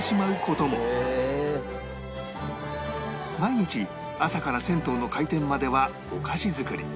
毎日朝から銭湯の開店まではお菓子作り